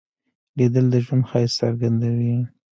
لیدل د ژوند ښایست څرګندوي